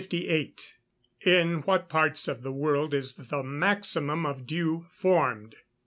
] 358. _In what parts of the world is the maximum of dew formed?